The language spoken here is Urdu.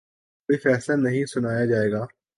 کوئی فیصلہ نہیں سنایا جائے گا